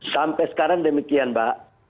sampai sekarang demikian mbak